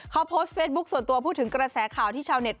เขาโพสต์เฟซบุ๊คส่วนตัวพูดถึงกระแสข่าวที่ชาวเน็ต